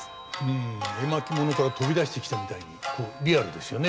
絵巻物から飛び出してきたみたいにリアルですよね